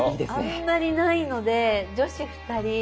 あんまりないので女子ふたり。